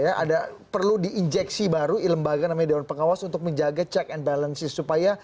ada perlu diinjeksi baru lembaga namanya dewan pengawas untuk menjaga check and balances supaya